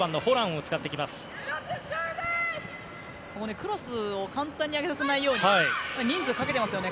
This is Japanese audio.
クロスを簡単に上げさせないように人数をかけていますよね